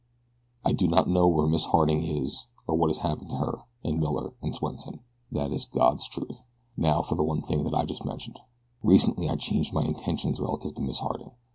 I do not know where Miss Harding is, or what has happened to her, and Miller, and Swenson. That is God's truth. Now for the one thing that I just mentioned. Recently I changed my intentions relative to Miss Harding.